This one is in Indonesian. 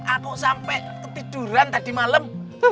aku sampai ketiduran tadi malam